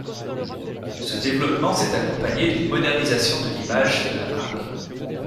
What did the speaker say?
Ce développement s’est accompagné d’une modernisation de l’image de la marque.